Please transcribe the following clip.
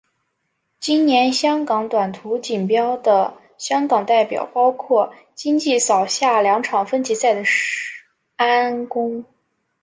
今年香港短途锦标的香港代表包括今季扫下两场分级赛的安畋。